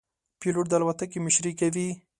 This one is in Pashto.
پیلوټ د الوتکې مشري کوي.